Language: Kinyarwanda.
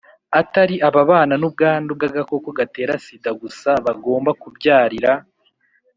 Atari ababana n ubwandu bw agakoko gatera sida gusa bagomba kubyarira